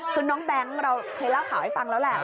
คือน้องแบงค์เราเคยเล่าข่าวให้ฟังแล้วแหละ